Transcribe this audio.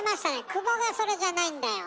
「くぼ」がそれじゃないんだよ。